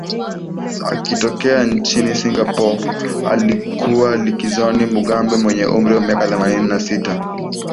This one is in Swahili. akitokea nchini singapore alipokuwa likizoni mugabe mwenye umri wa miaka themanini na sita